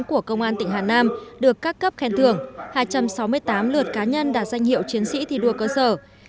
của công an tỉnh hà nam được các cấp khen thưởng hai trăm sáu mươi tám lượt cá nhân đạt danh hiệu chiến sĩ thi đua cơ sở